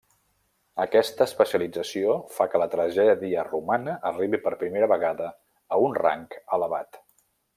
Aquesta especialització fa que la tragèdia romana arribi per primera vegada a un rang elevat.